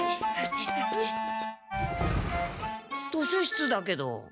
図書室だけど。